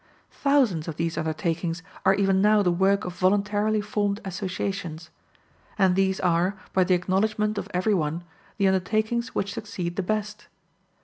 Thousands of these undertakings are even now the work of voluntarily formed associations. And these are, by the acknowledgment of every one, the undertakings which succeed the best.